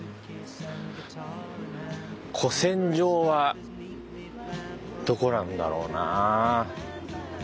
古戦場はどこなんだろうな。